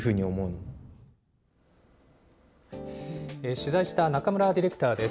取材した中村ディレクターです。